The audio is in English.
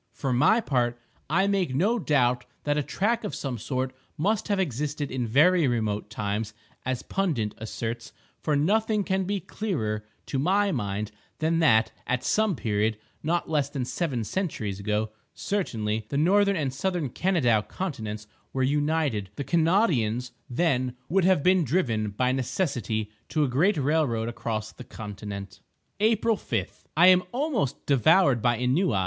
For my part, I make no doubt that a track of some sort must have existed in very remote times, as Pundit asserts; for nothing can be clearer, to my mind, than that, at some period—not less than seven centuries ago, certainly—the Northern and Southern Kanadaw continents were united; the Kanawdians, then, would have been driven, by necessity, to a great railroad across the continent. April 5.—I am almost devoured by ennui.